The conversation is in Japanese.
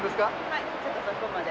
はいちょっとそこまで。